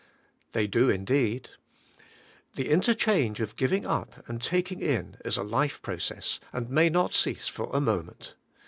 They do indeed; the interchange of giving up and taking in is a life process, and may not cease for a moment.